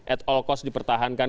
at all cost dipertahankan